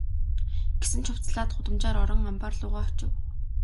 Гэсэн ч хувцаслаад гудамжаар орон амбаар луугаа очив.